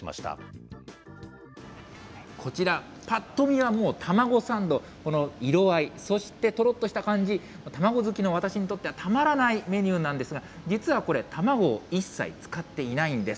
こちら、ぱっと見はもう卵サンド、この色合い、そしてとろっとした感じ、卵好きの私にとってはたまらないメニューなんですが、実はこれ、卵を一切使っていないんです。